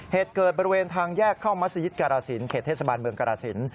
เหตุเกิดบริเวณทางแยกเข้ามัศยิตการาศิลปเขตเทศบาลเมืองกรสิน